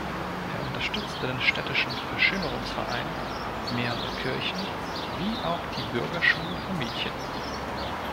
Er unterstützte den städtischen Verschönerungsverein, mehrere Kirchen wie auch die Bürgerschule für Mädchen.